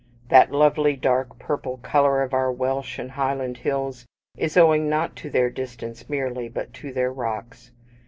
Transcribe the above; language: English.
That lovely dark purple colour of our Welsh and Highland hills is owing, not to their distance merely, but to their rocks.